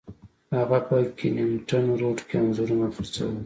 هغه په کینینګټن روډ کې انځورونه خرڅول.